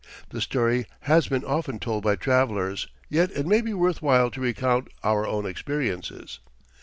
The story has been often told by travelers, yet it may be worth while to recount our own experiences.